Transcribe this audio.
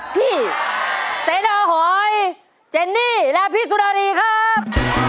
พี่เสดาหอยเจนนี่และพี่สุนารีครับ